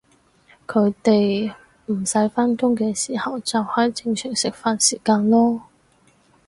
佢哋唔使返工嘅时候就係正常食飯時間囉